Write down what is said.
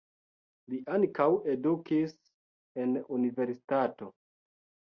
Li ankaŭ edukis en universitato.